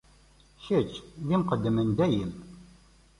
Kečč d lmuqeddem i dayem.